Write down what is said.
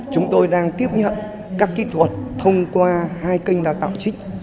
chúng tôi đang tiếp nhận các kỹ thuật thông qua hai kênh đào tạo trích